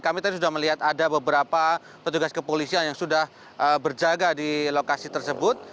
kami tadi sudah melihat ada beberapa petugas kepolisian yang sudah berjaga di lokasi tersebut